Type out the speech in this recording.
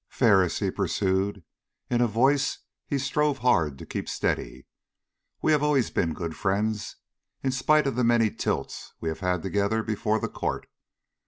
"Ferris," he pursued, in a voice he strove hard to keep steady, "we have always been good friends, in spite of the many tilts we have had together before the court.